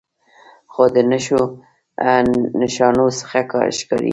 خو د نښو نښانو څخه ښکارې